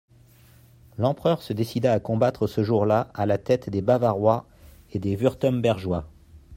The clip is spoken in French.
L'empereur se décida à combattre ce jour-là à la tête des Bavarois et des Wurtembergeois.